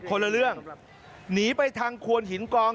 คนละเรื่องหนีไปทางควนหินกอง